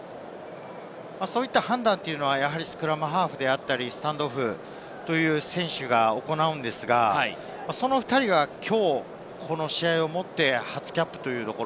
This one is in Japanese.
そういった判断はスクラムハーフであったり、スタンドオフという選手が行うのですが、その２人がきょう、この試合をもって初キャップというところ。